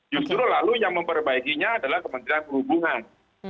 justru lalu yang memperbaikinya adalah kementerian perhubungan